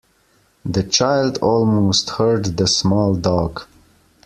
The child almost hurt the small dog.